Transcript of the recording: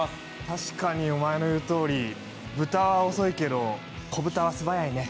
確かにお前に言うとおり、豚は遅いけど、子豚は鋭いね。